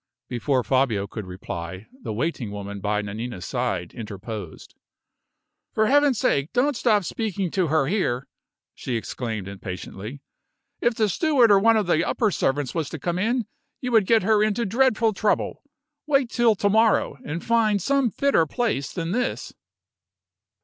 Before Fabio could reply, the waiting woman by Nanina's side interposed. "For Heaven's sake, don't stop speaking to her here!" she exclaimed, impatiently. "If the steward or one of the upper servants was to come in, you would get her into dreadful trouble. Wait till to morrow, and find some fitter place than this."